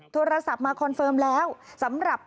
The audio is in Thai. โทรศัพท์มาคอนเฟิร์มแล้วสำหรับ